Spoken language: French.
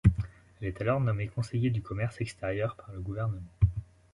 Il est alors nommé conseiller du commerce extérieur par le gouvernement.